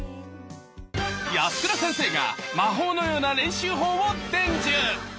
安倉先生が魔法のような練習法を伝授！